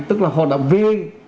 tức là họ đã vui